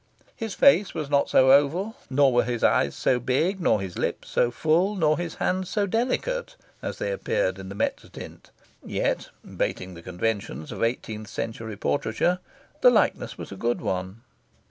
His face was not so oval, nor were his eyes so big, nor his lips so full, nor his hands so delicate, as they appeared in the mezzotint. Yet (bating the conventions of eighteenth century portraiture) the likeness was a good one.